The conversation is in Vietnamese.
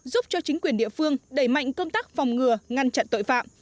giúp cho chính quyền địa phương đẩy mạnh công tác phòng ngừa ngăn chặn tội phạm